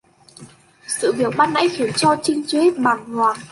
Sự việc ban nãy khiến cho Trinh chưa hết bàng hoàng